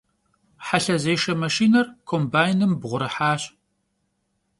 Helhezêşşe maşşiner kombaynım bğurıhaş.